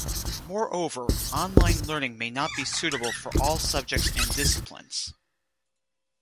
Moreover, online learning may not be suitable for all subjects and disciplines.